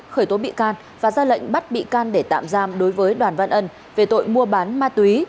khởi tố bị can và ra lệnh bắt bị can để tạm giam đối với đoàn văn ân về tội mua bán ma túy